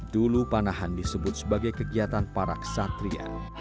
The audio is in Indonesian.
dulu panahan disebut sebagai kegiatan para kesatria